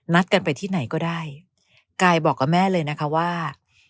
นัดกันไปที่ไหนก็ได้กายบอกกับแม่เลยนะคะว่า